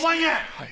はい。